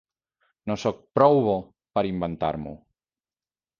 No soc prou bo per inventar-m'ho.